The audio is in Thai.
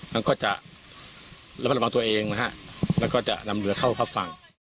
มันก็จะระมัดระวังตัวเองนะฮะแล้วก็จะนำเรือเข้าเข้าฝั่ง